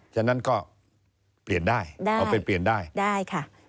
ฉะนั้นก็เปลี่ยนได้